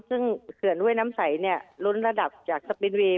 ซึ่งเขื่อนห้วยน้ำใสล้นระดับจากสปินเวย์